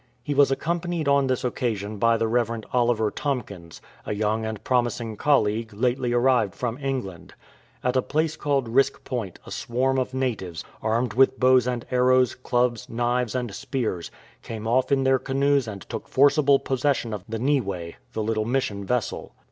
He was accompanied on this occasion by the Rev. Oliver Tomkins, a young and promising colleague lately arrived from England. At a place called Risk Point a swarm of natives, armed with bows and arrows, clubs, knives, and spears, came off in their canoes and took forcible possession of the Nitte, the little Mission vessel.